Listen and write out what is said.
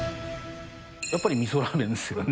やっぱりみそラーメンですよね。